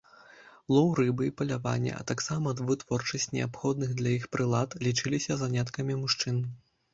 Лоў рыбы і паляванне, а таксама вытворчасць неабходных для іх прылад, лічыліся заняткамі мужчын.